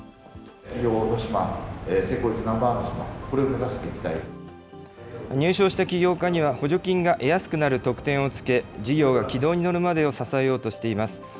ほかには補助金が得やすくなる特典をつけ、事業が軌道に乗るまでを支えようとしています。